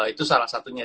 itu salah satunya